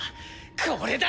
これだ！